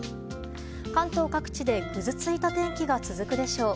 関東各地でぐずついた天気が続くでしょう。